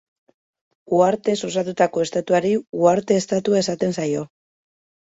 Uhartez osatutako estatuari uharte estatua esaten zaio.